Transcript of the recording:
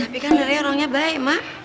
tapi kan dari orangnya baik mak